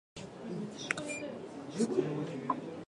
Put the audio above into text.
Wamnde nde mawni warti budurwa. Nawliiko ɗon jali nde tum.